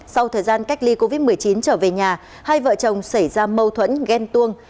sau thời gian cách ly covid một mươi chín trở về nhà hai vợ chồng xảy ra mâu thuẫn ghen tuông